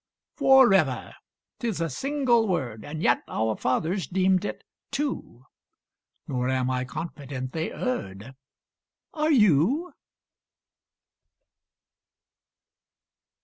Forever! 'Tis a single word! And yet our fathers deemed it two: Nor am I confident they erred; Are you?